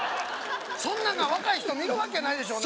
そんなんが若い人見るわけないでしょ